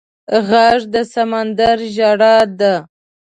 غږ د سمندر ژړا ده